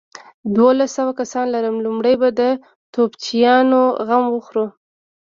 دوولس سوه کسان لرم، لومړۍ به د توپچيانو غم وخورو.